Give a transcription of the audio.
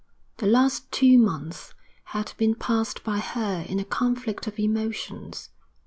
The last two months had been passed by her in a conflict of emotions.